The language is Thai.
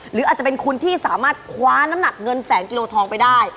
หรืออาจจะเป็นคุณที่สามารถคว้าน้ำหนักเงินแสนกิโลทองไปได้